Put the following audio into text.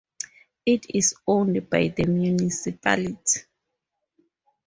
It is owned by the municipality.